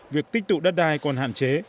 việc tích tụ đất đai còn hạn chế